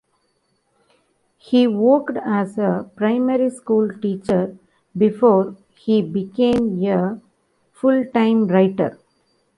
He worked as a primary school teacher before he became a full-time writer.